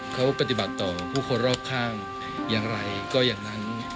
เขาปฏิบัติต่อผู้คนรอบข้างอย่างไรก็อย่างนั้น